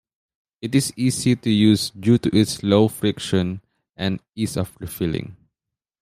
It is easy to use due to its low friction and ease of refilling.